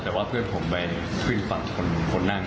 แต่ว่าเพื่อนผมไปขึ้นฝั่งคนนั่ง